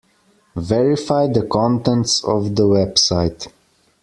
Verify the contents of the website.